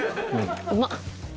うまっ。